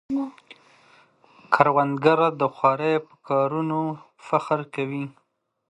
کروندګر د خوارۍ په کارونو فخر کوي